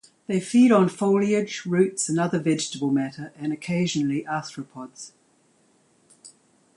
They feed on foliage, roots and other vegetable matter, and occasionally arthropods.